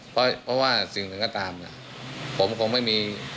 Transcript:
เพราะว่าสิ่งหนึ่งก็ตามเนี่ยผมคงไม่มี